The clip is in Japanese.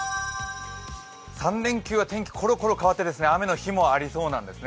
３連休は天気コロコロ変わって、雨の日もありそうです。